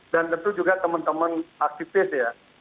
dan tentu juga teman teman aktivis ya